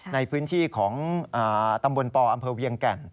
ในพื้นที่ของตำบลปอำเภอเวียงแก่น